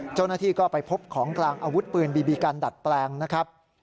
เจ้าหน้าที่ก็ไปพบของกลางอาวุธปืนบีบีกันดัดแปลงนะครับ